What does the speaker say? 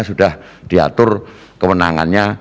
sudah diatur kemenangannya